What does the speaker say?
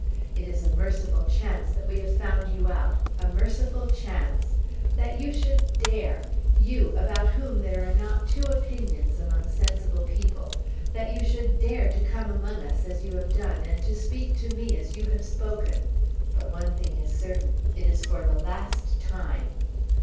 It is a merciful chance that we have found you out a merciful chance! That you should dare you, about whom there are not two opinions among sensible people that you should dare to come among us as you have done and to speak to me as you have spoken! But one thing is certain it is for the last time."